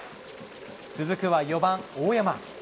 続くは４番大山。